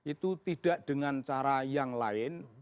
itu tidak dengan cara yang lain